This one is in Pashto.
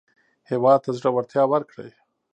هېواد ته زړورتیا ورکړئ